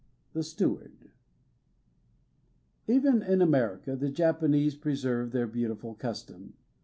The Steward Even in America the Japanese pre serve their beautiful custom.